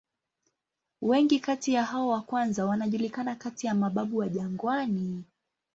Wengi kati ya hao wa kwanza wanajulikana kati ya "mababu wa jangwani".